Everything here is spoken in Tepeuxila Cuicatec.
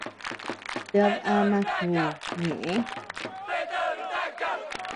Ted ama kü ñeʼë.